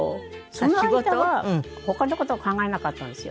その間は他の事を考えなかったんですよ。